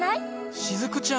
しずくちゃん！